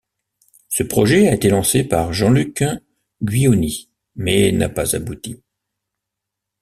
Ce projet a été lancé par Jean Luc Guionie mais n'a pas abouti.